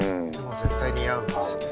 絶対似合うんですよね。